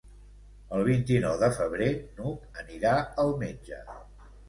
El vint-i-nou de febrer n'Hug anirà al metge.